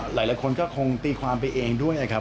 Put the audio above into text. หลายคนก็คงตีความไปเองด้วยนะครับ